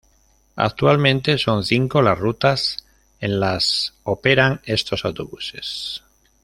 Actualmente, son cinco las rutas en las operan estos autobuses.